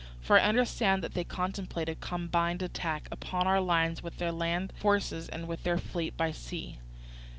For I understand that they contemplate a combined attack, upon our lines with their land forces and with their fleet by sea.